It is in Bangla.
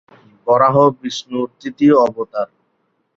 বরাহ বিষ্ণুর তৃতীয় অবতার।